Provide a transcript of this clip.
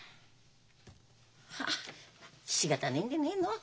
はっしかたねえんでねえの。